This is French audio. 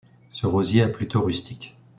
Ce rosier est plutôt rustique.